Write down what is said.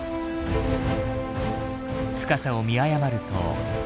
深さを見誤ると。